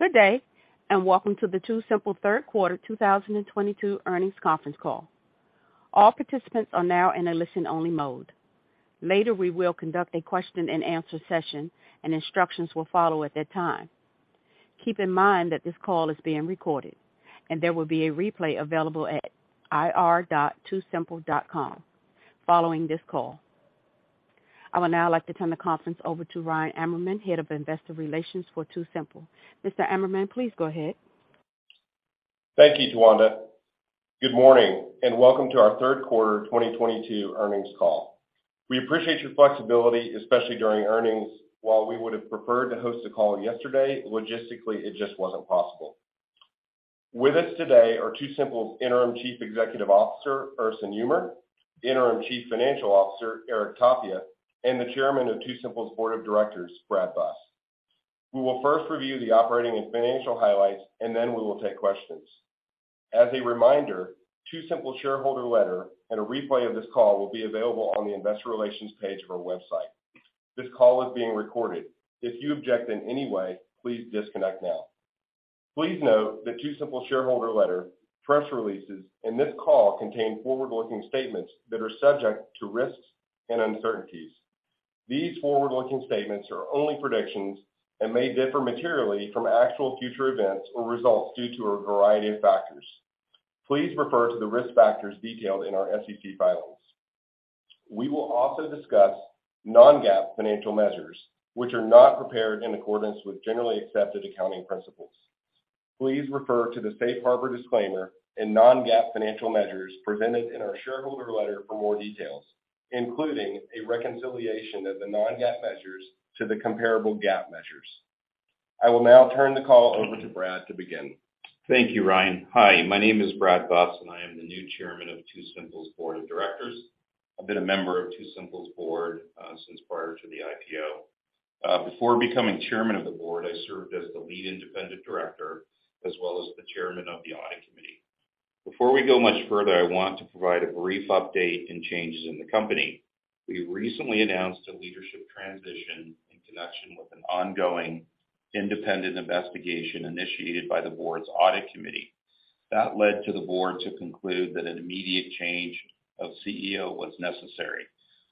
Good day, and welcome to the TuSimple third quarter 2022 earnings conference call. All participants are now in a listen-only mode. Later, we will conduct a question-and-answer session, and instructions will follow at that time. Keep in mind that this call is being recorded, and there will be a replay available at ir.tusimple.com following this call. I would now like to turn the conference over to Ryan Amerman, Head of Investor Relations for TuSimple. Mr. Amerman, please go ahead. Thank you, Tawanda. Good morning, and welcome to our third quarter 2022 earnings call. We appreciate your flexibility, especially during earnings. While we would have preferred to host a call yesterday, logistically, it just wasn't possible. With us today are TuSimple's Interim Chief Executive Officer, Ersin Yumer, Interim Chief Financial Officer, Eric Tapia, and the Chairman of TuSimple's Board of Directors, Brad Buss. We will first review the operating and financial highlights, and then we will take questions. As a reminder, TuSimple shareholder letter and a replay of this call will be available on the investor relations page of our website. This call is being recorded. If you object in any way, please disconnect now. Please note that TuSimple shareholder letter, press releases, and this call contain forward-looking statements that are subject to risks and uncertainties. These forward-looking statements are only predictions and may differ materially from actual future events or results due to a variety of factors. Please refer to the risk factors detailed in our SEC filings. We will also discuss non-GAAP financial measures, which are not prepared in accordance with generally accepted accounting principles. Please refer to the Safe Harbor disclaimer and non-GAAP financial measures presented in our shareholder letter for more details, including a reconciliation of the non-GAAP measures to the comparable GAAP measures. I will now turn the call over to Brad to begin. Thank you, Ryan. Hi, my name is Brad Buss, and I am the new Chairman of TuSimple's Board of Directors. I've been a member of TuSimple's Board since prior to the IPO. Before becoming Chairman of the Board, I served as the Lead Independent Director as well as the Chairman of the Audit Committee. Before we go much further, I want to provide a brief update on changes in the company. We recently announced a leadership transition in connection with an ongoing independent investigation initiated by the Board's Audit Committee. That led the Board to conclude that an immediate change of CEO was necessary.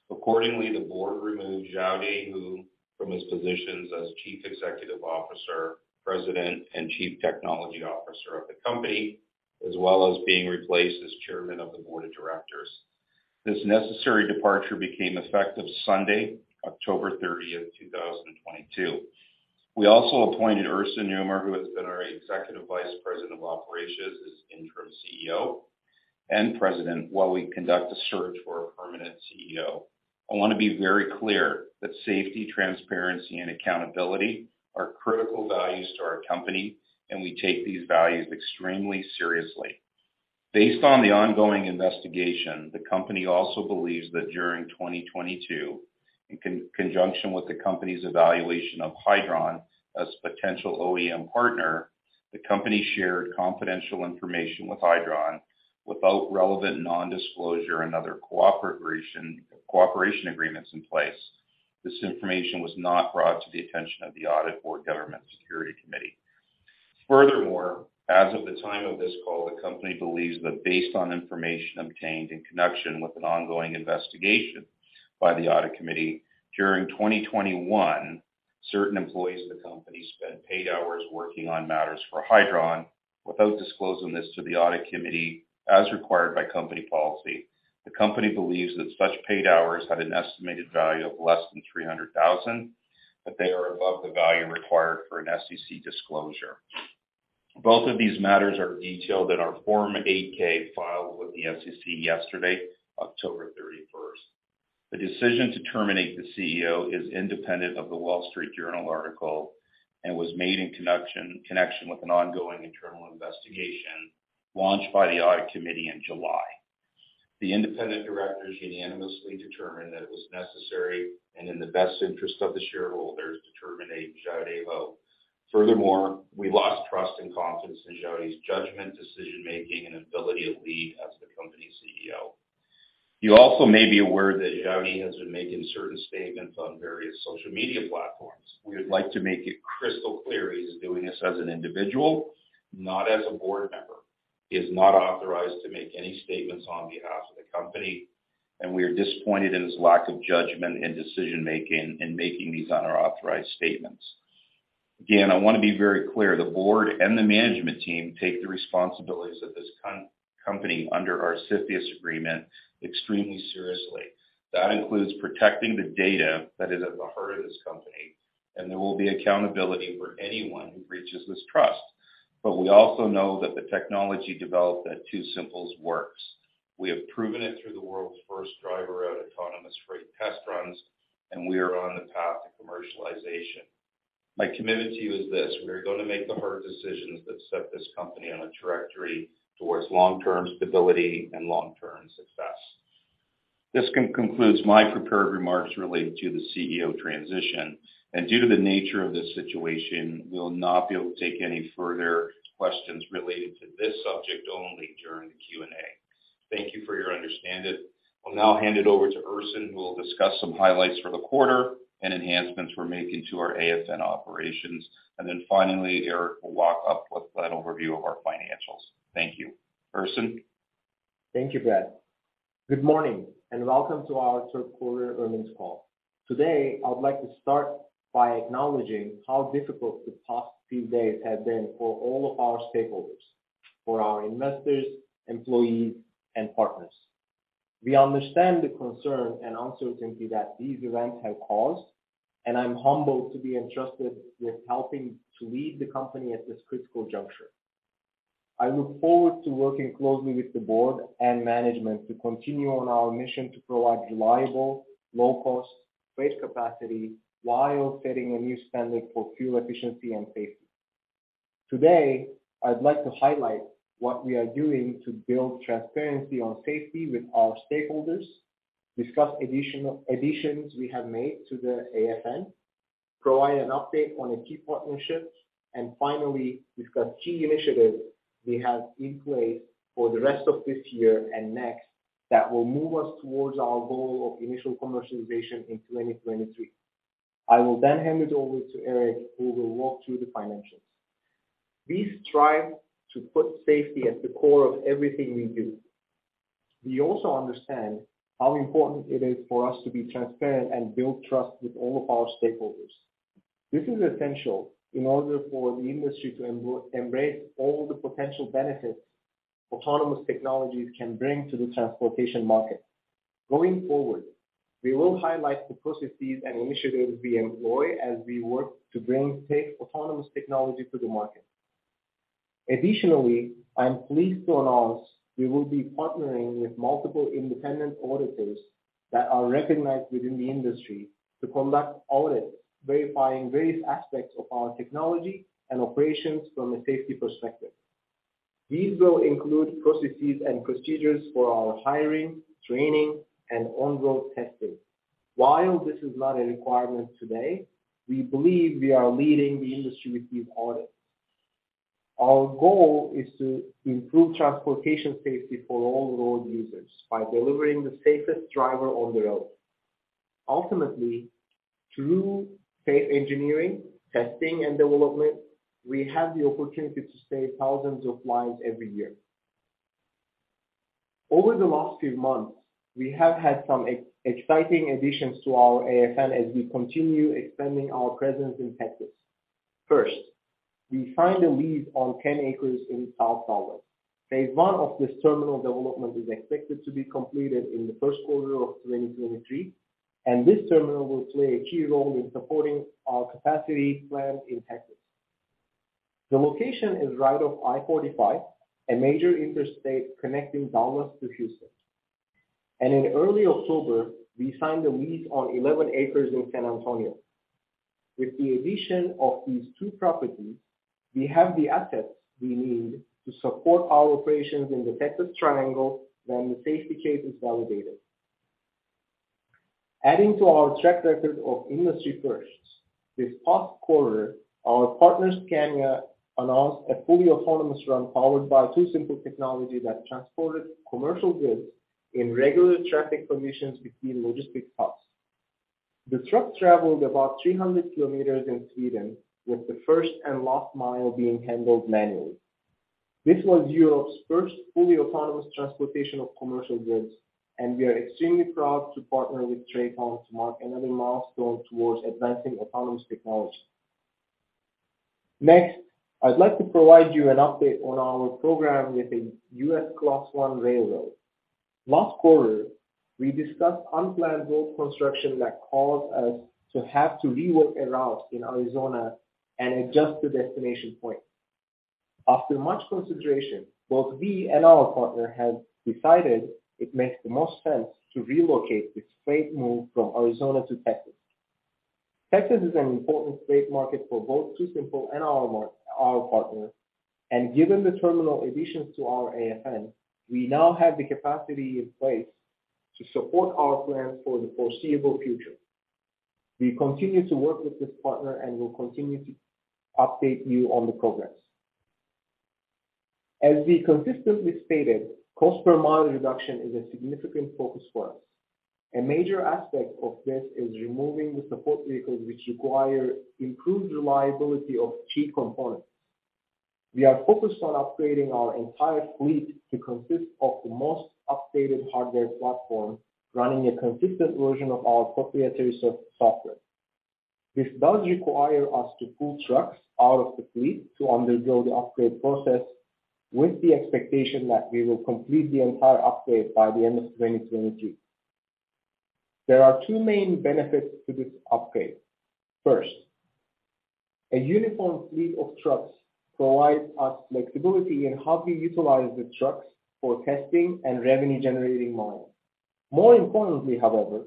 Accordingly, the Board removed Xiaodi Hou from his positions as Chief Executive Officer, President, and Chief Technology Officer of the company, as well as being replaced as Chairman of the Board of Directors. This necessary departure became effective Sunday, October thirtieth, two thousand and twenty-two. We also appointed Ersin Yumer, who has been our Executive Vice President of Operations, as Interim CEO and President while we conduct a search for a permanent CEO. I wanna be very clear that safety, transparency, and accountability are critical values to our company, and we take these values extremely seriously. Based on the ongoing investigation, the company also believes that during 2022, in conjunction with the company's evaluation of Hydron as potential OEM partner, the company shared confidential information with Hydron without relevant non-disclosure and other cooperation agreements in place. This information was not brought to the attention of the audit or governance security committee. Furthermore, as of the time of this call, the company believes that based on information obtained in connection with an ongoing investigation by the audit committee, during 2021, certain employees of the company spent paid hours working on matters for Hydron without disclosing this to the audit committee as required by company policy. The company believes that such paid hours had an estimated value of less than $300,000, but they are above the value required for an SEC disclosure. Both of these matters are detailed in our Form 8-K filed with the SEC yesterday, October 31st. The decision to terminate the CEO is independent of The Wall Street Journal article and was made in connection with an ongoing internal investigation launched by the audit committee in July. The independent directors unanimously determined that it was necessary and in the best interest of the shareholders to terminate Xiaodi Hou. Furthermore, we lost trust and confidence in Xiaodi's judgment, decision-making, and ability to lead as the company's CEO. You also may be aware that Xiaodi has been making certain statements on various social media platforms. We would like to make it crystal clear he's doing this as an individual, not as a board member. He is not authorized to make any statements on behalf of the company, and we are disappointed in his lack of judgment and decision-making in making these unauthorized statements. Again, I wanna be very clear, the board and the management team take the responsibilities of this company under our CFIUS agreement extremely seriously. That includes protecting the data that is at the heart of this company, and there will be accountability for anyone who breaches this trust. We also know that the technology developed at TuSimple works. We have proven it through the world's first driver-out autonomous freight test runs, and we are on the path to commercialization. My commitment to you is this: We are gonna make the hard decisions that set this company on a trajectory towards long-term stability and long-term success. This concludes my prepared remarks related to the CEO transition. Due to the nature of this situation, we will not be able to take any further questions related to this subject only during the Q&A. Thank you for your understanding. I'll now hand it over to Ersin, who will discuss some highlights for the quarter and enhancements we're making to our AFN operations. Finally, Eric will wrap up with an overview of our financials. Thank you. Ersin. Thank you, Brad. Good morning, and welcome to our third quarter earnings call. Today, I would like to start by acknowledging how difficult the past few days have been for all of our stakeholders, for our investors, employees, and partners. We understand the concern and uncertainty that these events have caused, and I'm humbled to be entrusted with helping to lead the company at this critical juncture. I look forward to working closely with the board and management to continue on our mission to provide reliable, low-cost freight capacity while setting a new standard for fuel efficiency and safety. Today, I'd like to highlight what we are doing to build transparency on safety with our stakeholders, discuss additions we have made to the AFN, provide an update on a key partnership, and finally, discuss key initiatives we have in place for the rest of this year and next that will move us towards our goal of initial commercialization in 2023. I will then hand it over to Eric, who will walk through the financials. We strive to put safety at the core of everything we do. We also understand how important it is for us to be transparent and build trust with all of our stakeholders. This is essential in order for the industry to embrace all the potential benefits autonomous technologies can bring to the transportation market. Going forward, we will highlight the processes and initiatives we employ as we work to bring safe autonomous technology to the market. Additionally, I am pleased to announce we will be partnering with multiple independent auditors that are recognized within the industry to conduct audits verifying various aspects of our technology and operations from a safety perspective. These will include processes and procedures for our hiring, training, and on-road testing. While this is not a requirement today, we believe we are leading the industry with these audits. Our goal is to improve transportation safety for all road users by delivering the safest driver on the road. Ultimately, through safe engineering, testing, and development, we have the opportunity to save thousands of lives every year. Over the last few months, we have had some exciting additions to our AFN as we continue expanding our presence in Texas. First, we signed a lease on 10 acres in South Dallas. Phase one of this terminal development is expected to be completed in the first quarter of 2023, and this terminal will play a key role in supporting our capacity plan in Texas. The location is right off I-45, a major interstate connecting Dallas to Houston. In early October, we signed a lease on 11 acres in San Antonio. With the addition of these two properties, we have the assets we need to support our operations in the Texas Triangle when the safety case is validated. Adding to our track record of industry firsts, this past quarter, our partners Scania announced a fully autonomous run powered by TuSimple technology that transported commercial goods in regular traffic conditions between logistics parks. The truck traveled about 300 kilometers in Sweden, with the first and last mile being handled manually. This was Europe's first fully autonomous transportation of commercial goods, and we are extremely proud to partner with Traton to mark another milestone towards advancing autonomous technology. Next, I'd like to provide you an update on our program with a U.S. Class One railroad. Last quarter, we discussed unplanned road construction that caused us to have to rework a route in Arizona and adjust the destination point. After much consideration, both we and our partner have decided it makes the most sense to relocate this freight move from Arizona to Texas. Texas is an important freight market for both TuSimple and our partner, and given the terminal additions to our AFN, we now have the capacity in place to support our plans for the foreseeable future. We continue to work with this partner and will continue to update you on the progress. As we consistently stated, cost-per-mile reduction is a significant focus for us. A major aspect of this is removing the support vehicles which require improved reliability of key components. We are focused on upgrading our entire fleet to consist of the most updated hardware platform running a consistent version of our proprietary software. This does require us to pull trucks out of the fleet to undergo the upgrade process with the expectation that we will complete the entire upgrade by the end of 2022. There are two main benefits to this upgrade. First, a uniform fleet of trucks provides us flexibility in how we utilize the trucks for testing and revenue-generating models. More importantly, however,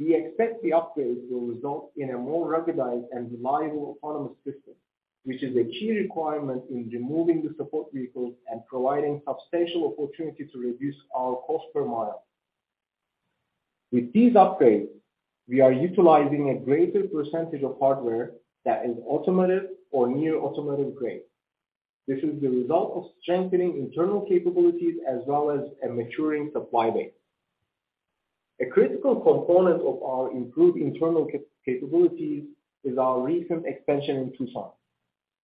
we expect the upgrade will result in a more ruggedized and reliable autonomous system, which is a key requirement in removing the support vehicles and providing substantial opportunity to reduce our cost-per-mile. With these upgrades, we are utilizing a greater percentage of hardware that is automotive or near automotive grade. This is the result of strengthening internal capabilities as well as a maturing supply base. A critical component of our improved internal capabilities is our recent expansion in Tucson.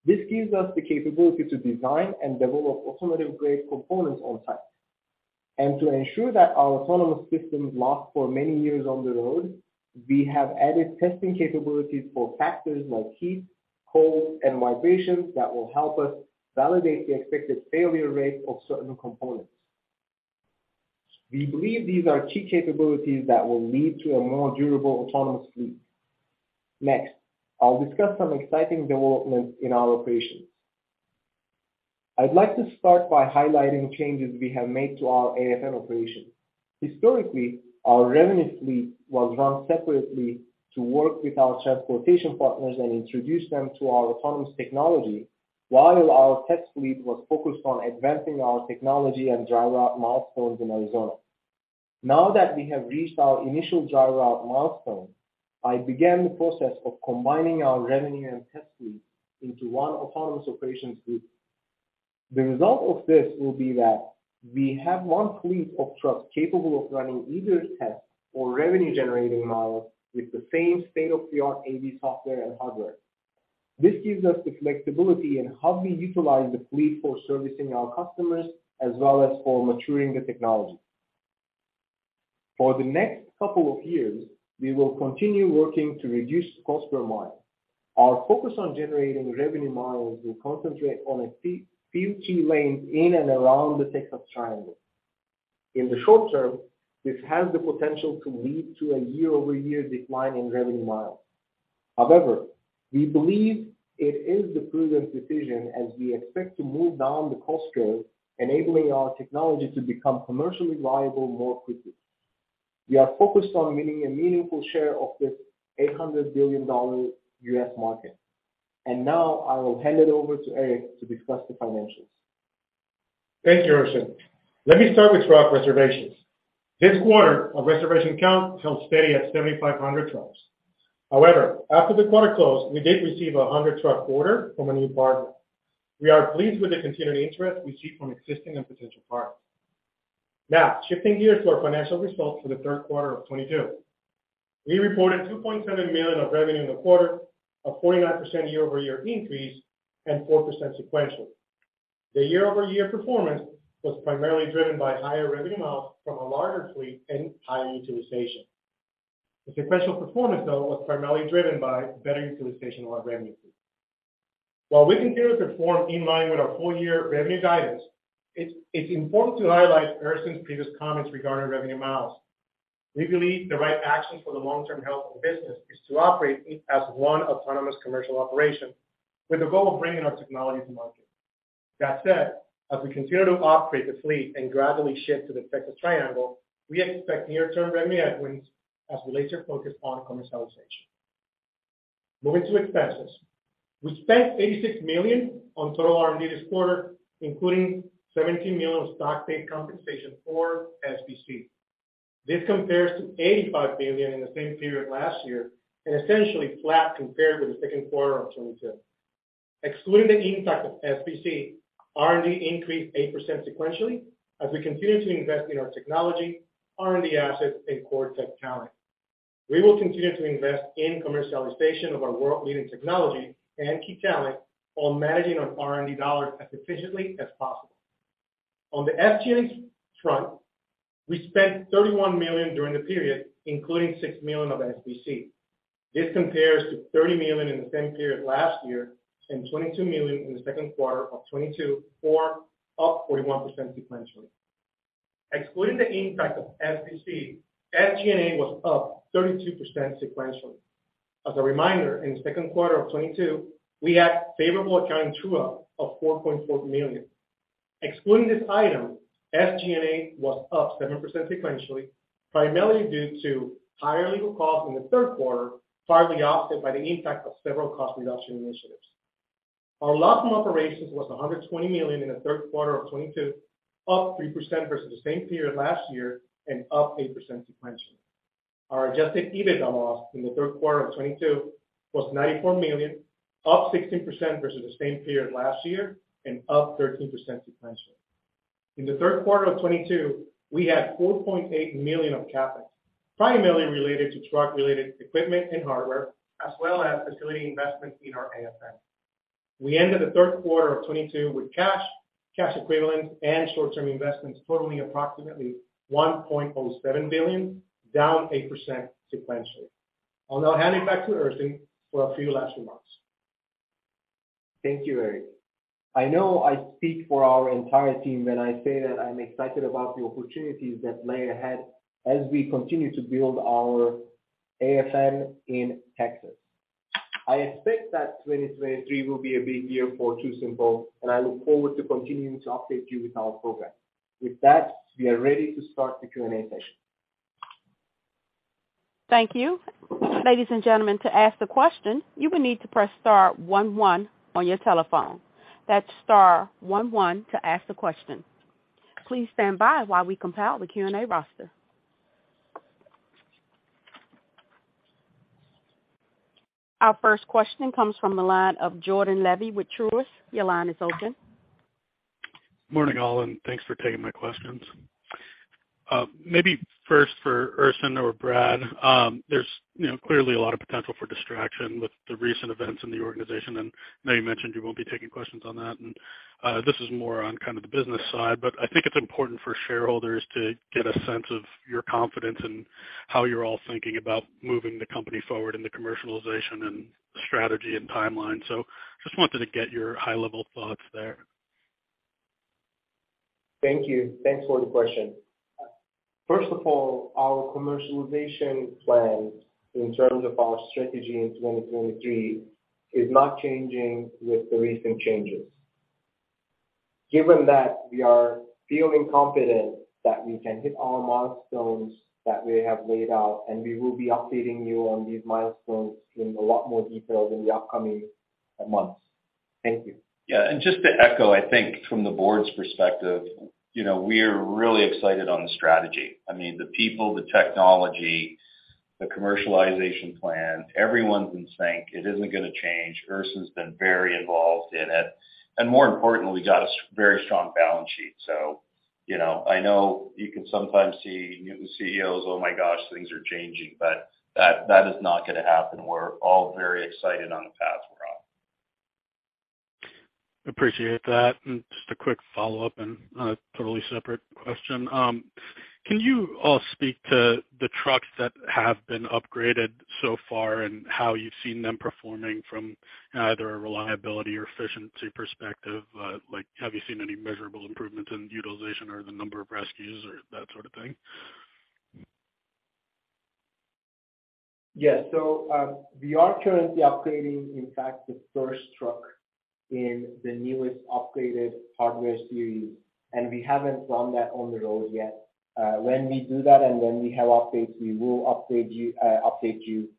This gives us the capability to design and develop automotive-grade components on-site. To ensure that our autonomous systems last for many years on the road, we have added testing capabilities for factors like heat, cold, and vibration that will help us validate the expected failure rate of certain components. We believe these are key capabilities that will lead to a more durable autonomous fleet. Next, I'll discuss some exciting developments in our operations. I'd like to start by highlighting changes we have made to our AFN operations. Historically, our revenue fleet was run separately to work with our transportation partners and introduce them to our autonomous technology while our test fleet was focused on advancing our technology and dry route milestones in Arizona. Now that we have reached our initial dry route milestone, I began the process of combining our revenue and test fleet into one autonomous operations group. The result of this will be that we have one fleet of trucks capable of running either test or revenue-generating models with the same state-of-the-art AV software and hardware. This gives us the flexibility in how we utilize the fleet for servicing our customers, as well as for maturing the technology. For the next couple of years, we will continue working to reduce cost-per-mile. Our focus on generating revenue models will concentrate on a few key lanes in and around the Texas Triangle. In the short term, this has the potential to lead to a year-over-year decline in revenue miles. However, we believe it is the prudent decision as we expect to move down the cost curve, enabling our technology to become commercially viable more quickly. We are focused on winning a meaningful share of this $800 billion U.S. market. Now, I will hand it over to Eric to discuss the financials. Thank you, Ersin. Let me start with truck reservations. This quarter, our reservation count held steady at 7,500 trucks. However, after the quarter closed, we did receive a 100-truck order from a new partner. We are pleased with the continued interest we see from existing and potential partners. Now, shifting gears to our financial results for the third quarter of 2022. We reported $2.7 million of revenue in the quarter, a 49% year-over-year increase, and 4% sequential. The year-over-year performance was primarily driven by higher revenue miles from a larger fleet and higher utilization. The sequential performance, though, was primarily driven by better utilization of our revenue fleet. While we continue to perform in line with our full-year revenue guidance, it's important to highlight Ersin's previous comments regarding revenue miles. We believe the right action for the long-term health of the business is to operate as one autonomous commercial operation with the goal of bringing our technology to market. That said, as we continue to operate the fleet and gradually shift to the Texas Triangle, we expect near-term revenue headwinds as we place our focus on commercialization. Moving to expenses. We spent $86 million on total R&D this quarter, including $17 million of stock-based compensation or SBC. This compares to $85 million in the same period last year and essentially flat compared with the second quarter of 2022. Excluding the impact of SBC, R&D increased 8% sequentially as we continue to invest in our technology, R&D assets, and core tech talent. We will continue to invest in commercialization of our world-leading technology and key talent while managing our R&D dollars as efficiently as possible. On the SG&A front, we spent $31 million during the period, including $6 million of SBC. This compares to $30 million in the same period last year and $22 million in the second quarter of 2022, or up 41% sequentially. Excluding the impact of SBC, SG&A was up 32% sequentially. As a reminder, in the second quarter of 2022, we had favorable accounting true-up of $4.4 million. Excluding this item, SG&A was up 7% sequentially, primarily due to higher legal costs in the third quarter, partly offset by the impact of several cost reduction initiatives. Our loss from operations was $120 million in the third quarter of 2022, up 3% versus the same period last year and up 8% sequentially. Our adjusted EBITDA loss in the third quarter of 2022 was $94 million, up 16% versus the same period last year and up 13% sequentially. In the third quarter of 2022, we had $4.8 million of CapEx, primarily related to truck-related equipment and hardware, as well as facility investments in our AFN. We ended the third quarter of 2022 with cash equivalents, and short-term investments totaling approximately $1.07 billion, down 8% sequentially. I'll now hand it back to Ersin for a few last remarks. Thank you, Eric. I know I speak for our entire team when I say that I'm excited about the opportunities that lay ahead as we continue to build our AFN in Texas. I expect that 2023 will be a big year for TuSimple, and I look forward to continuing to update you with our progress. With that, we are ready to start the Q&A session. Thank you. Ladies and gentlemen, to ask the question, you will need to press star one one on your telephone. That's star one one to ask the question. Please stand by while we compile the Q&A roster. Our first question comes from the line of Jordan Levy with Truist. Your line is open. Morning, all, and thanks for taking my questions. Maybe first for Ersin or Brad, there's, you know, clearly a lot of potential for distraction with the recent events in the organization, and I know you mentioned you won't be taking questions on that. This is more on kind of the business side, but I think it's important for shareholders to get a sense of your confidence and how you're all thinking about moving the company forward in the commercialization and strategy and timeline. Just wanted to get your high level thoughts there. Thank you. Thanks for the question. First of all, our commercialization plan in terms of our strategy in 2023 is not changing with the recent changes. Given that we are feeling confident that we can hit our milestones that we have laid out, and we will be updating you on these milestones in a lot more detail in the upcoming months. Thank you. Yeah, just to echo, I think from the board's perspective, you know, we are really excited on the strategy. I mean, the people, the technology, the commercialization plan, everyone's in sync. It isn't gonna change. Ersin's been very involved in it, and more importantly, got a very strong balance sheet. You know, I know you can sometimes see new CEOs, oh my gosh, things are changing, but that is not gonna happen. We're all very excited on the path we're on. Appreciate that. Just a quick follow-up and on a totally separate question. Can you all speak to the trucks that have been upgraded so far and how you've seen them performing from either a reliability or efficiency perspective? Like, have you seen any measurable improvements in utilization or the number of rescues or that sort of thing? Yeah. We are currently upgrading, in fact, the first truck in the newest upgraded hardware series, and we haven't run that on the road yet. When we do that and when we have updates, we will update you.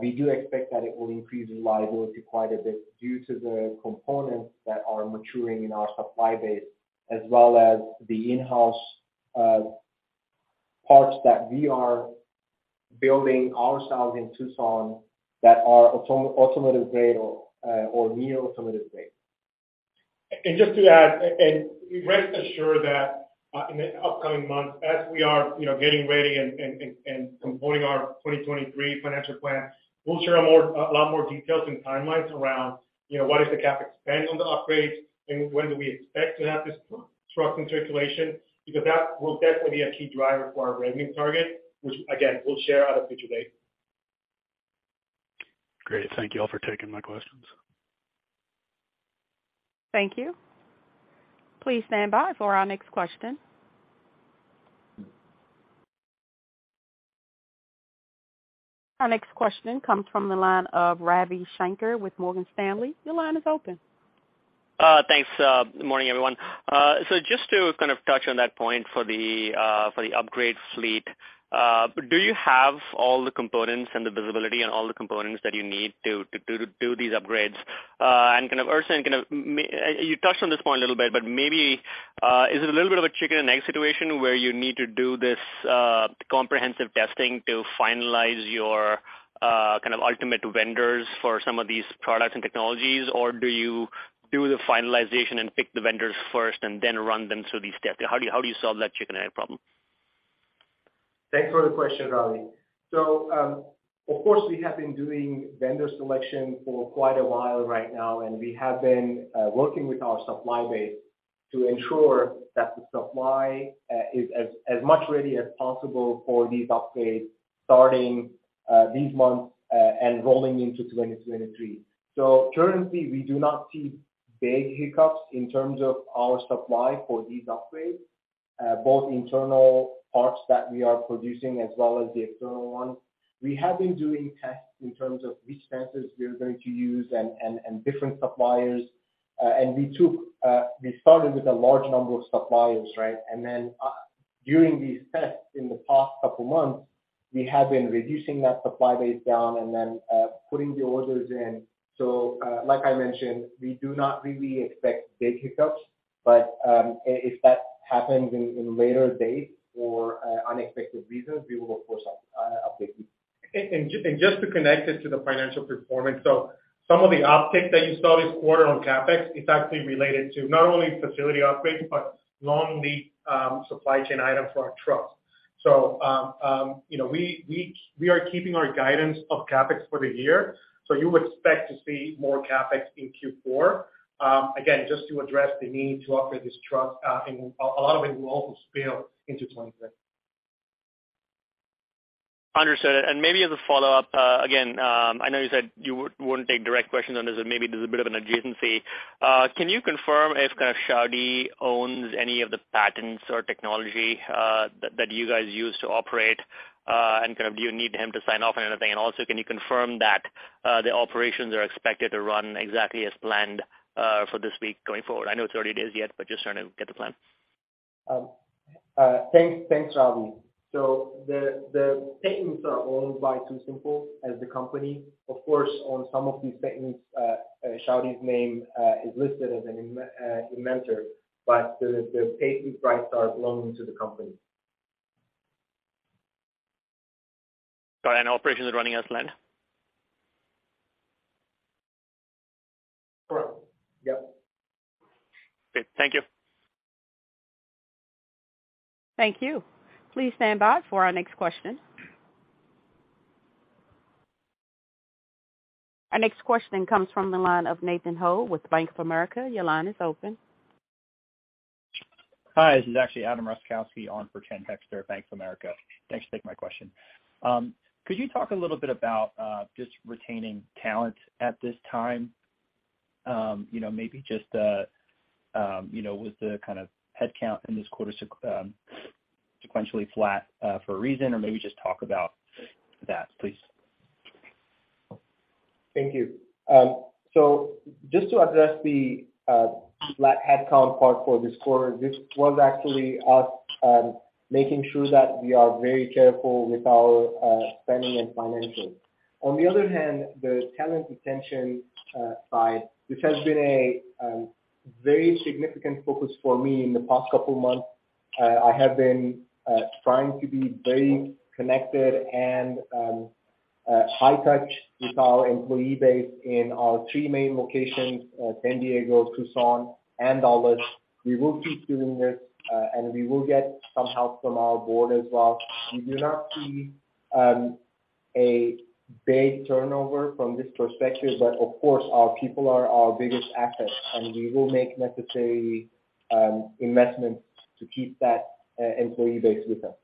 We do expect that it will increase reliability quite a bit due to the components that are maturing in our supply base as well as the in-house parts that we are building ourselves in Tucson that are automotive grade or near automotive grade. Just to add, rest assured that in the upcoming months, as we are, you know, getting ready and completing our 2023 financial plan, we'll share a lot more details and timelines around, you know, what is the CapEx spend on the upgrades and when do we expect to have these trucks in circulation because that will definitely be a key driver for our revenue target, which again, we'll share at a future date. Great. Thank you all for taking my questions. Thank you. Please stand by for our next question. Our next question comes from the line of Ravi Shanker with Morgan Stanley. Your line is open. Thanks. Good morning, everyone. So just to kind of touch on that point for the upgrade fleet, do you have all the components and the visibility on all the components that you need to do these upgrades? Kind of Ersin, you touched on this point a little bit, but maybe is it a little bit of a chicken and egg situation where you need to do this comprehensive testing to finalize your kind of ultimate vendors for some of these products and technologies? Or do you do the finalization and pick the vendors first and then run them through these steps? How do you solve that chicken and egg problem? Thanks for the question, Ravi Shanker. Of course, we have been doing vendor selection for quite a while right now, and we have been working with our supply base to ensure that the supply is as much ready as possible for these upgrades starting these months and rolling into 2023. Currently, we do not see big hiccups in terms of our supply for these upgrades, both internal parts that we are producing as well as the external ones. We have been doing tests in terms of which sensors we are going to use and different suppliers. We started with a large number of suppliers, right? During these tests in the past couple months, we have been reducing that supply base down and then putting the orders in. Like I mentioned, we do not really expect big hiccups, but if that happens in later dates for unexpected reasons, we will of course update you. Just to connect it to the financial performance. Some of the uptick that you saw this quarter on CapEx is actually related to not only facility upgrades, but long lead supply chain items for our trucks. You know, we are keeping our guidance of CapEx for the year, so you would expect to see more CapEx in Q4, again, just to address the need to upgrade these trucks. A lot of it will also spill into 2023. Understood. Maybe as a follow-up, again, I know you said you wouldn't take direct questions on this, and maybe there's a bit of an adjacency. Can you confirm if kind of Xiaodi Hou owns any of the patents or technology that you guys use to operate? Kind of do you need him to sign off on anything? Also, can you confirm that the operations are expected to run exactly as planned for this week going forward? I know it's early days yet, but just trying to get the plan. Thanks, Ravi. The patents are owned by TuSimple as the company. Of course, on some of these patents, Xiaodi Hou's name is listed as an inventor, but the patent rights are belonging to the company. Got it. Operations are running as planned? Correct. Yep. Okay. Thank you. Thank you. Please stand by for our next question. Our next question comes from the line of Nathan Ho with Bank of America. Your line is open. Hi, this is actually Adam Ritzer on for Ken Hoexter, Bank of America. Thanks for taking my question. Could you talk a little bit about just retaining talent at this time? You know, maybe just you know, with the kind of headcount in this quarter sequentially flat for a reason, or maybe just talk about that, please. Thank you. Just to address the flat headcount part for this quarter, this was actually us making sure that we are very careful with our spending and finances. On the other hand, the talent retention side, this has been a very significant focus for me in the past couple of months. I have been trying to be very connected and high touch with our employee base in our three main locations, San Diego, Tucson, and Dallas. We will keep doing this, and we will get some help from our board as well. We do not see a big turnover from this perspective, but of course, our people are our biggest assets, and we will make necessary investments to keep that employee base with us.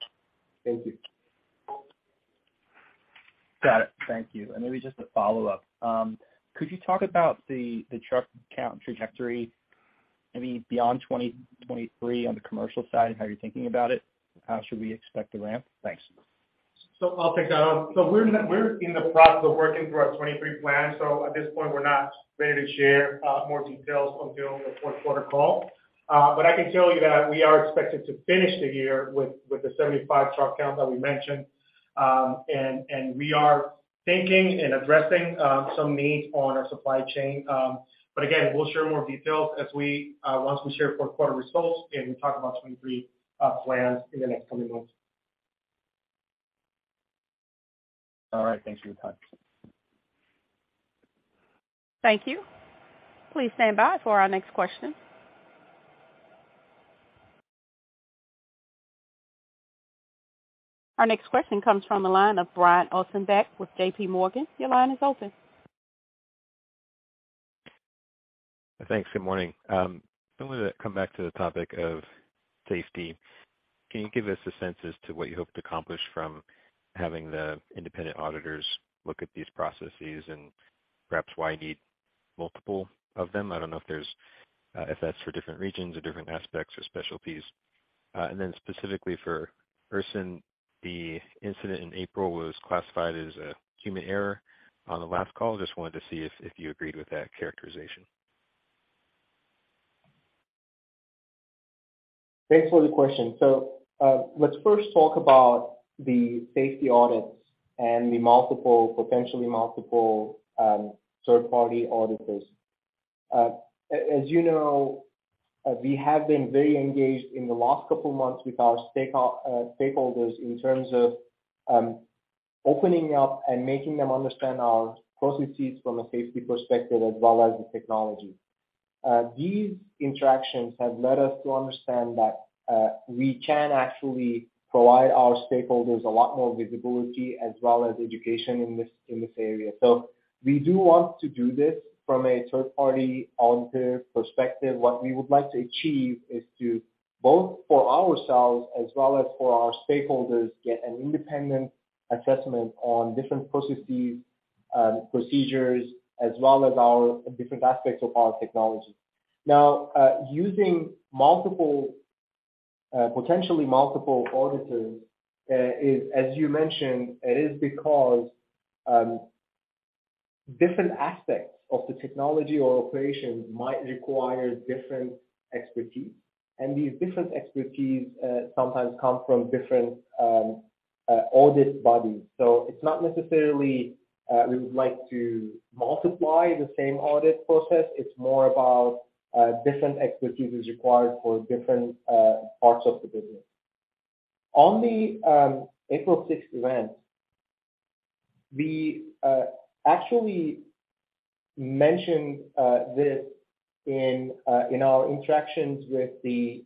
Thank you. Got it. Thank you. Maybe just a follow-up. Could you talk about the truck count trajectory, maybe beyond 2023 on the commercial side and how you're thinking about it? How should we expect the ramp? Thanks. I'll take that on. We're in the process of working through our 2023 plan. At this point, we're not ready to share more details until the fourth quarter call. I can tell you that we are expected to finish the year with the 75 truck count that we mentioned. And we are thinking and addressing some needs on our supply chain. Again, we'll share more details once we share fourth quarter results and we talk about 2023 plans in the next coming months. All right. Thanks for your time. Thank you. Please stand by for our next question. Our next question comes from the line of Brian Ossenbeck with J.P. Morgan. Your line is open. Thanks. Good morning. I wanted to come back to the topic of safety. Can you give us a sense as to what you hope to accomplish from having the independent auditors look at these processes and perhaps why you need multiple of them? I don't know if there's, if that's for different regions or different aspects or specialties. And then specifically for Ersin, the incident in April was classified as a human error on the last call. Just wanted to see if you agreed with that characterization. Thanks for the question. Let's first talk about the safety audits and the potentially multiple third-party auditors. As you know, we have been very engaged in the last couple months with our stakeholders in terms of opening up and making them understand our processes from a safety perspective as well as the technology. These interactions have led us to understand that we can actually provide our stakeholders a lot more visibility as well as education in this area. We do want to do this from a third-party auditor perspective. What we would like to achieve is to both for ourselves as well as for our stakeholders get an independent assessment on different processes, procedures, as well as our different aspects of our technology. Now, using multiple, potentially multiple auditors is, as you mentioned, it is because different aspects of the technology or operations might require different expertise. These different expertise sometimes come from different audit bodies. It's not necessarily we would like to multiply the same audit process. It's more about different expertise is required for different parts of the business. On the April sixth event, we actually mentioned this in our interactions with the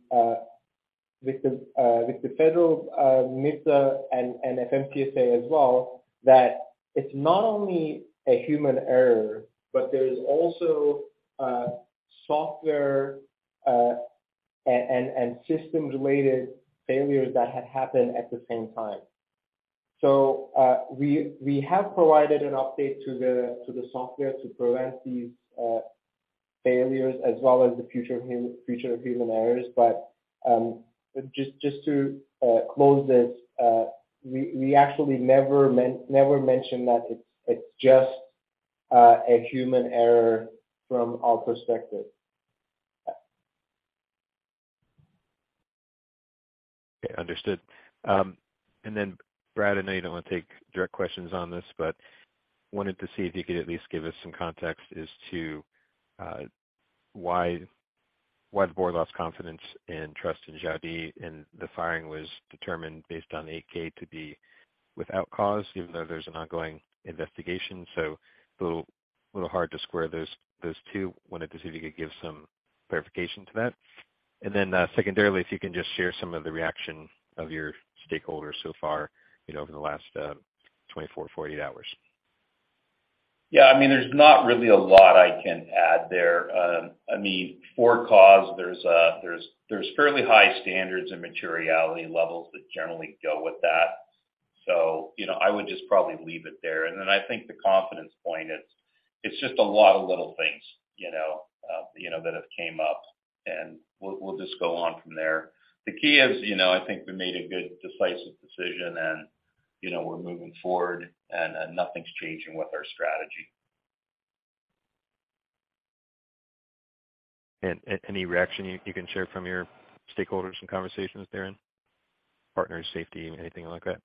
federal NHTSA and FMCSA as well, that it's not only a human error, but there is also software and systems related failures that had happened at the same time. We have provided an update to the software to prevent these failures as well as the future human errors. Just to close this, we actually never mentioned that it's just a human error from our perspective. Okay, understood. Brad, I know you don't want to take direct questions on this, but wanted to see if you could at least give us some context as to why the board lost confidence and trust in Xiaodi Hou, and the firing was determined based on 8-K to be without cause, even though there's an ongoing investigation. A little hard to square those two. Wanted to see if you could give some clarification to that. Secondarily, if you can just share some of the reaction of your stakeholders so far, you know, over the last 24-48 hours. Yeah, I mean, there's not really a lot I can add there. I mean, because there's fairly high standards and materiality levels that generally go with that. You know, I would just probably leave it there. Then I think the confidence point is it's just a lot of little things, you know, that have came up, and we'll just go on from there. The key is, you know, I think we made a good decisive decision and, you know, we're moving forward and nothing's changing with our strategy. Any reaction you can share from your stakeholders and conversations therein, partners, safety, anything like that?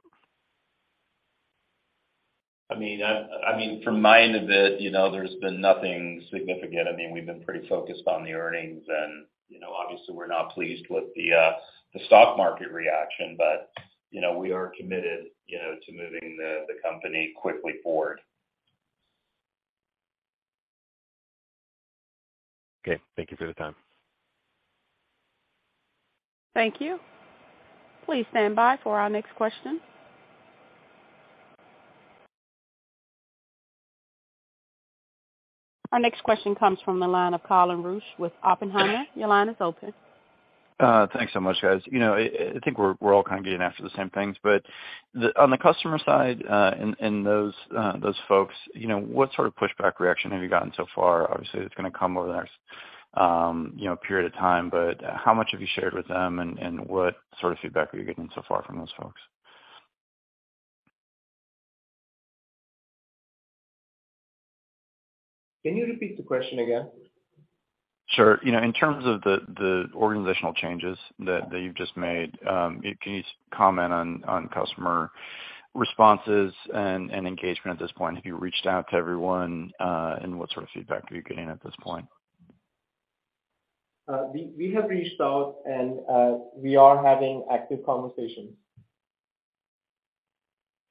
I mean, from my end of it, you know, there's been nothing significant. I mean, we've been pretty focused on the earnings and, you know, obviously we're not pleased with the stock market reaction, but, you know, we are committed, you know, to moving the company quickly forward. Okay. Thank you for the time. Thank you. Please stand by for our next question. Our next question comes from the line of Colin Rusch with Oppenheimer. Your line is open. Thanks so much, guys. You know, I think we're all kind of getting after the same things. On the customer side, and those folks, you know, what sort of pushback reaction have you gotten so far? Obviously, it's gonna come over the next, you know, period of time, but how much have you shared with them and what sort of feedback are you getting so far from those folks? Can you repeat the question again? Sure. You know, in terms of the organizational changes that you've just made, can you comment on customer responses and engagement at this point? Have you reached out to everyone, and what sort of feedback are you getting at this point? We have reached out, and we are having active conversations.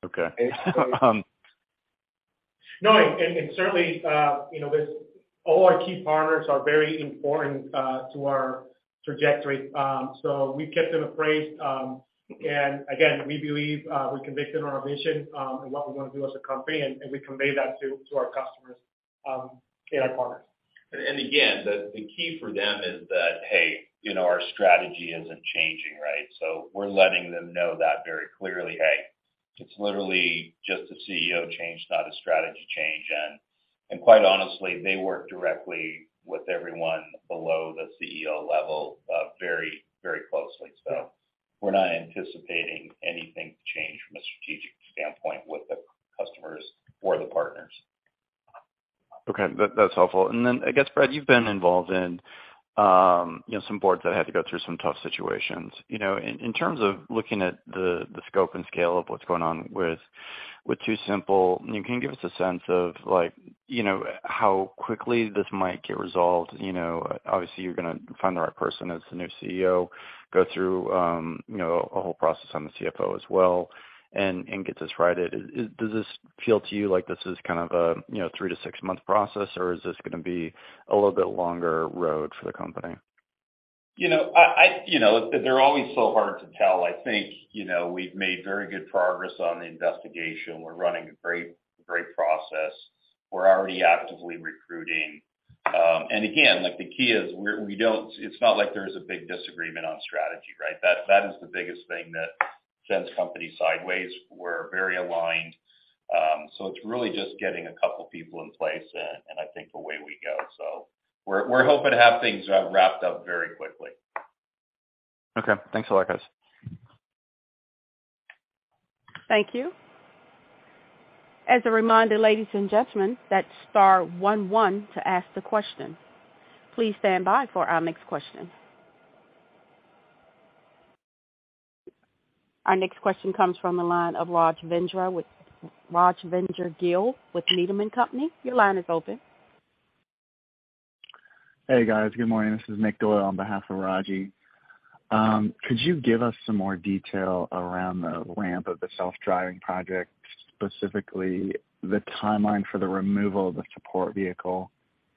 Okay. No, certainly, you know, there's all our key partners are very important to our trajectory. We've kept them appraised. Again, we believe, we're convicted on our mission, and what we wanna do as a company, and we convey that to our customers, and our partners. Again, the key for them is that, hey, you know, our strategy isn't changing, right? We're letting them know that very clearly, hey, it's literally just a CEO change, not a strategy change. Quite honestly, they work directly with everyone below the CEO level, very, very closely. We're not anticipating anything to change from a strategic standpoint with the customers or the partners. Okay. That's helpful. I guess, Brad, you've been involved in, you know, some boards that had to go through some tough situations. You know, in terms of looking at the scope and scale of what's going on with TuSimple, can you give us a sense of like, you know, how quickly this might get resolved? You know, obviously, you're gonna find the right person as the new CEO, go through, you know, a whole process on the CFO as well and get this right. Does this feel to you like this is kind of a, you know, 3-6-month process, or is this gonna be a little bit longer road for the company? You know, they're always so hard to tell. I think, you know, we've made very good progress on the investigation. We're running a great process. We're already actively recruiting. Again, like the key is it's not like there's a big disagreement on strategy, right? That is the biggest thing that sends companies sideways. We're very aligned. It's really just getting a couple people in place and I think away we go. We're hoping to have things wrapped up very quickly. Okay. Thanks a lot, guys. Thank you. As a reminder, ladies and gentlemen, that's star one one to ask the question. Please stand by for our next question. Our next question comes from the line of Rajvindra Gill with Needham & Company. Your line is open. Hey, guys. Good morning. This is Nick Doyle on behalf of Rajvi. Could you give us some more detail around the ramp of the self-driving project, specifically the timeline for the removal of the support vehicle?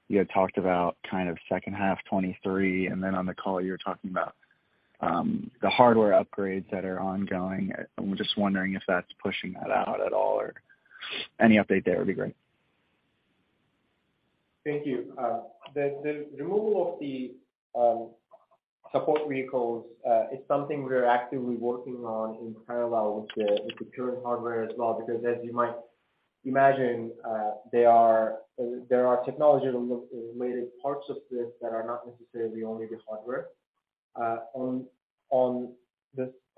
You had talked about kind of second half 2023, and then on the call, you were talking about the hardware upgrades that are ongoing. I'm just wondering if that's pushing that out at all or any update there would be great. Thank you. The removal of the support vehicles is something we're actively working on in parallel with the current hardware as well, because as you might imagine, there are technology-related parts of this that are not necessarily only the hardware.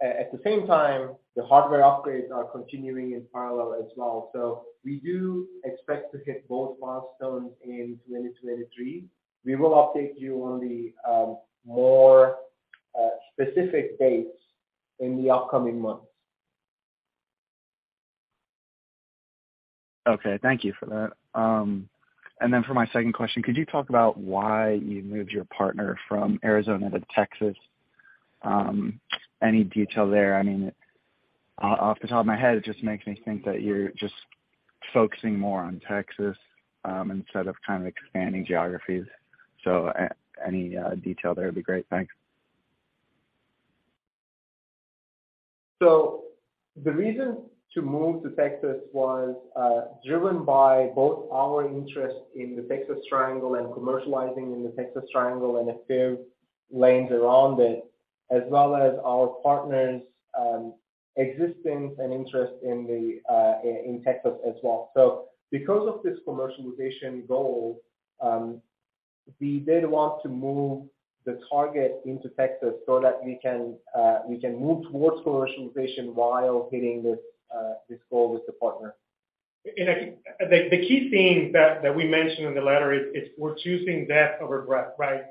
At the same time, the hardware upgrades are continuing in parallel as well. We do expect to hit both milestones in 2023. We will update you on the more specific dates in the upcoming months. Okay, thank you for that. For my second question, could you talk about why you moved your partner from Arizona to Texas? Any detail there? I mean, off the top of my head, it just makes me think that you're just focusing more on Texas, instead of kind of expanding geographies. Any detail there would be great. Thanks. The reason to move to Texas was driven by both our interest in the Texas Triangle and commercializing in the Texas Triangle and a few lanes around it, as well as our partners' existence and interest in Texas as well. Because of this commercialization goal, we did want to move the target into Texas so that we can move towards commercialization while hitting this goal with the partner. I think the key theme that we mentioned in the letter is we're choosing depth over breadth, right?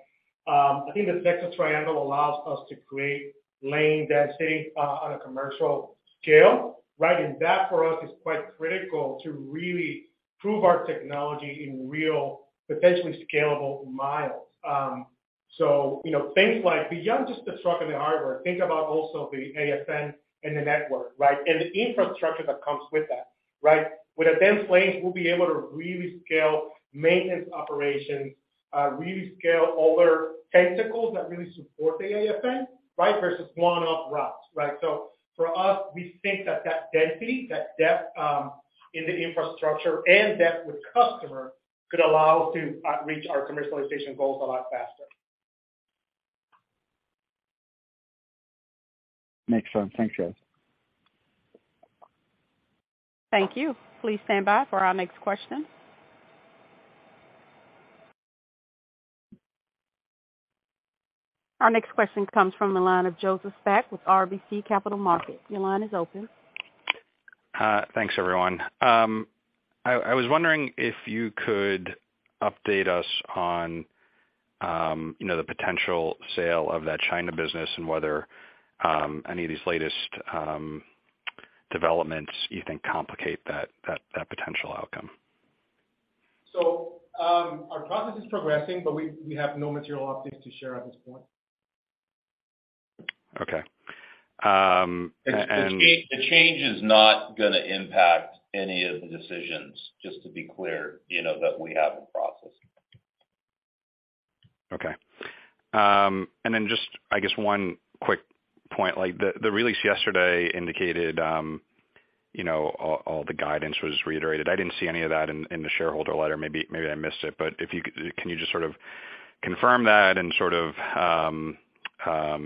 I think the Texas Triangle allows us to create lane density on a commercial scale, right? That, for us, is quite critical to really prove our technology in real, potentially scalable miles. You know, things like beyond just the truck and the hardware, think about also the AFN and the network, right? The infrastructure that comes with that, right? With a dense lane, we'll be able to really scale maintenance operations, really scale other tentacles that really support the AFN, right, versus one-off routes, right? For us, we think that density, that depth in the infrastructure and depth with customer could allow us to reach our commercialization goals a lot faster. Makes sense. Thanks, guys. Thank you. Please stand by for our next question. Our next question comes from the line of Joseph Spak with RBC Capital Markets. Your line is open. Thanks, everyone. I was wondering if you could update us on, you know, the potential sale of that China business and whether any of these latest developments you think complicate that potential outcome. Our process is progressing, but we have no material updates to share at this point. Okay. The change is not gonna impact any of the decisions, just to be clear, you know, that we have in process. Okay. And then just, I guess one quick point, like the release yesterday indicated, you know, all the guidance was reiterated. I didn't see any of that in the shareholder letter. Maybe I missed it. If you could can you just sort of confirm that and sort of,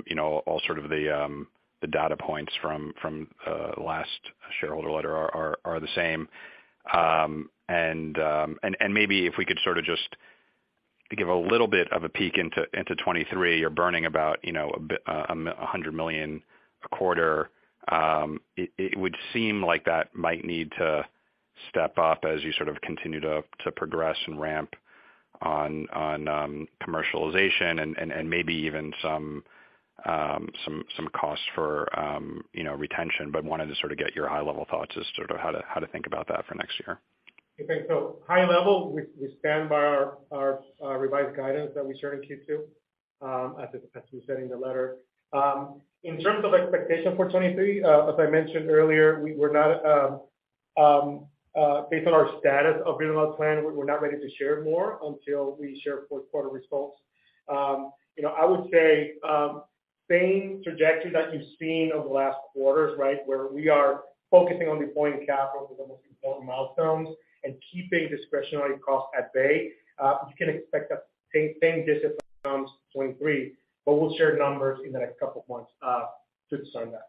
you know, all sort of the data points from last shareholder letter are the same. And maybe if we could sort of just give a little bit of a peek into 2023. You're burning about, you know, $100 million a quarter. It would seem like that might need to step up as you sort of continue to progress and ramp on commercialization and maybe even some costs for, you know, retention. Wanted to sort of get your high-level thoughts as to sort of how to think about that for next year. High-level, we stand by our revised guidance that we shared in Q2, as we said in the letter. In terms of expectations for 2023, as I mentioned earlier, based on our status of building out the plan, we're not ready to share more until we share fourth quarter results. You know, I would say same trajectory that you've seen over the last quarters, right, where we are focusing on deploying capital for the most important milestones and keeping discretionary costs at bay. You can expect that same discipline comes 2023, but we'll share numbers in the next couple of months to discuss that.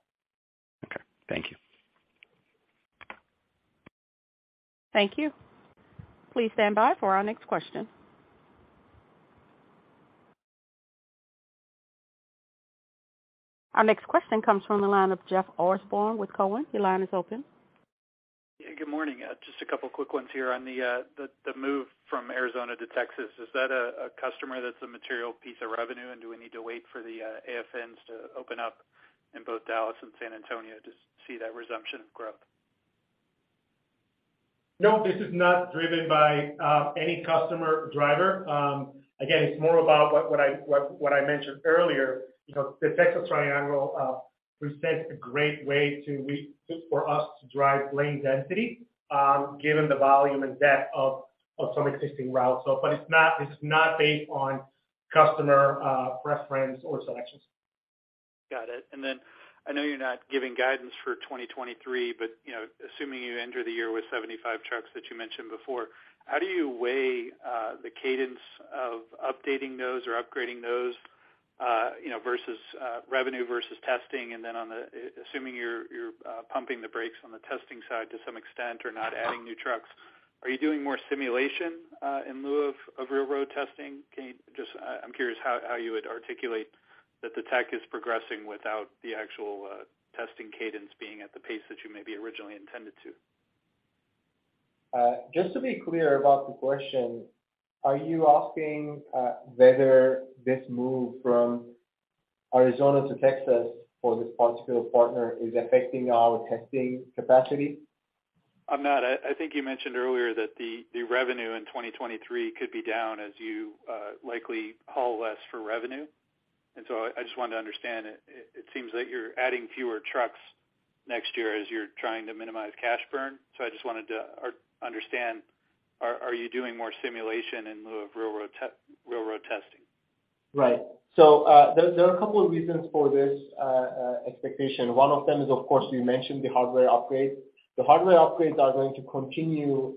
Okay. Thank you. Thank you. Please stand by for our next question. Our next question comes from the line of Jeff Osborne with Cowen. Your line is open. Yeah. Good morning. Just a couple quick ones here on the move from Arizona to Texas. Is that a customer that's a material piece of revenue, and do we need to wait for the AFNs to open up in both Dallas and San Antonio to see that resumption of growth? No, this is not driven by any customer driver. Again, it's more about what I mentioned earlier. You know, the Texas Triangle presents a great way for us to drive lane density, given the volume and depth of some existing routes. It's not based on customer preference or selections. Got it. Then I know you're not giving guidance for 2023, but, you know, assuming you enter the year with 75 trucks that you mentioned before, how do you weigh the cadence of updating those or upgrading those, you know, versus revenue versus testing? Then on the assuming you're pumping the brakes on the testing side to some extent or not adding new trucks. Are you doing more simulation in lieu of real road testing? I'm curious how you would articulate that the tech is progressing without the actual testing cadence being at the pace that you maybe originally intended to. Just to be clear about the question, are you asking whether this move from Arizona to Texas for this particular partner is affecting our testing capacity? I'm not. I think you mentioned earlier that the revenue in 2023 could be down as you likely haul less for revenue. I just wanted to understand. It seems like you're adding fewer trucks next year as you're trying to minimize cash burn. I just wanted to understand, are you doing more simulation in lieu of real road testing? Right. There are a couple of reasons for this expectation. One of them is, of course, we mentioned the hardware upgrades. The hardware upgrades are going to continue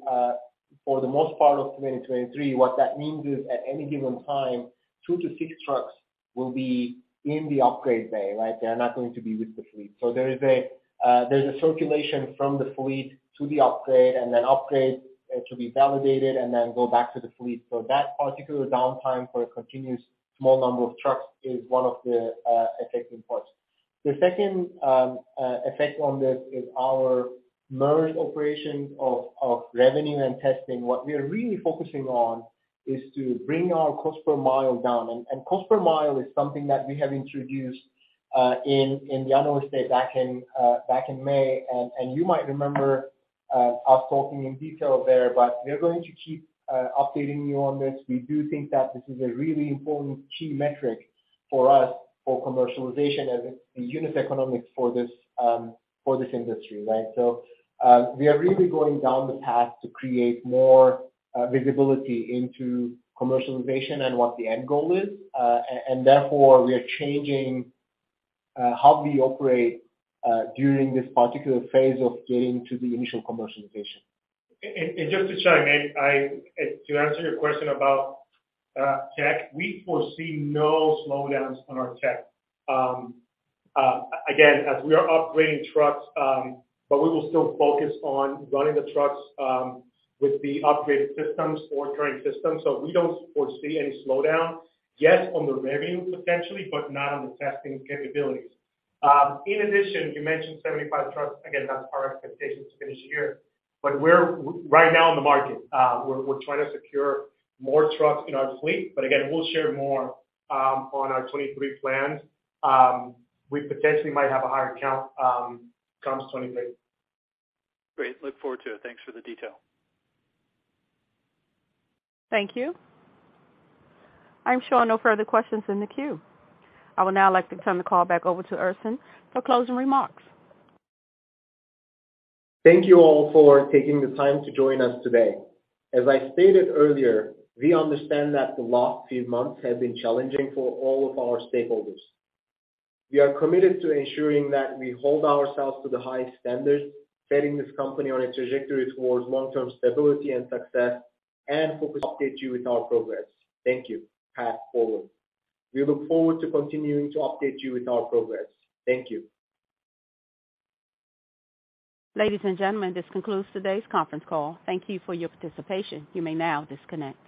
for the most part of 2023. What that means is, at any given time, 2-6 trucks will be in the upgrade bay, right? They are not going to be with the fleet. There is a circulation from the fleet to the upgrade, and then upgrade to be validated, and then go back to the fleet. That particular downtime for a continuous small number of trucks is one of the affecting parts. The second effect on this is our merged operations of revenue and testing. What we are really focusing on is to bring our cost-per-mile down. Cost-per-mile is something that we have introduced in the Analyst Day back in May. You might remember us talking in detail there, but we are going to keep updating you on this. We do think that this is a really important key metric for us for commercialization as it's the unit economics for this industry, right? We are really going down the path to create more visibility into commercialization and what the end goal is. Therefore, we are changing how we operate during this particular phase of getting to the initial commercialization. Just to chime in, to answer your question about tech, we foresee no slowdowns on our tech. As we are upgrading trucks, but we will still focus on running the trucks with the upgraded systems or current systems. We don't foresee any slowdown. Yes, on the revenue potentially, but not on the testing capabilities. In addition, you mentioned 75 trucks. Again, that's our expectation to finish the year. We're right now in the market. We're trying to secure more trucks in our fleet. Again, we'll share more on our 2023 plans. We potentially might have a higher count come 2023. Great. Look forward to it. Thanks for the detail. Thank you. I'm showing no further questions in the queue. I would now like to turn the call back over to Ersin for closing remarks. Thank you all for taking the time to join us today. As I stated earlier, we understand that the last few months have been challenging for all of our stakeholders. We are committed to ensuring that we hold ourselves to the highest standards, setting this company on a trajectory towards long-term stability and success, and focus on updating you with our progress. Thank you. Path forward. We look forward to continuing to update you with our progress. Thank you. Ladies and gentlemen, this concludes today's conference call. Thank you for your participation. You may now disconnect.